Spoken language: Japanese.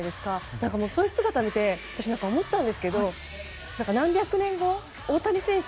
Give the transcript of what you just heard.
だから、そういう姿を見て私思ったんですけど何百年後、大谷選手